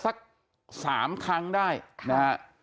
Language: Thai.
น่าจะสัก๓ครั้งได้นะฮะ